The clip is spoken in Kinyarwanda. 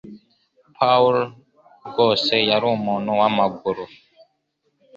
Paul rwose yari umuntu wamaguru.